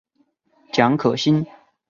蒋可心。